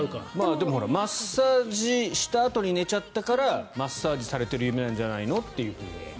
でもマッサージしたあとに寝ちゃったからマッサージされている夢なんじゃないのという。